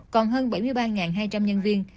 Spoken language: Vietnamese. còn hơn bảy mươi ba hai trăm linh nhân viên